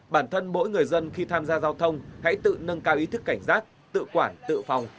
bản thân mỗi người dân khi tham gia giao thông hãy tự nâng cao ý thức cảnh giác tự quản tự phòng